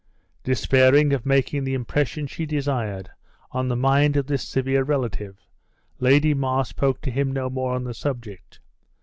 Despairing of making the impression she desired on the mind of this severe relative, Lady Mar spoke to him no more on the subject.